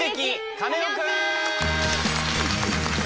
カネオくん」！